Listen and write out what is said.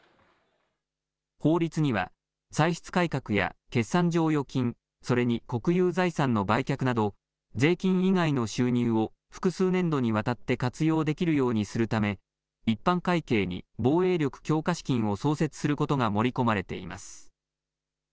法律には歳出改革や決算剰余金それに国有財産の売却など税金以外の収入を複数年度にわたって活用できるようにするため一般会計に防衛力強化資金を創設することが盛り込まれています。